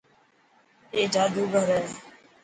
اي جادوگر هي.